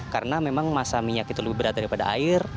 karena memang masa minyak itu lebih berat daripada air